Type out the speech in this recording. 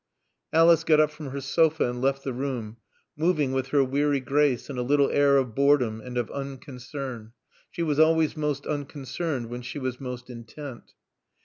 Alice got up from her sofa and left the room; moving with her weary grace and a little air of boredom and of unconcern. She was always most unconcerned when she was most intent.